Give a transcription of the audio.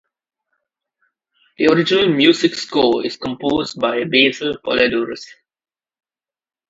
The original music score is composed by Basil Poledouris.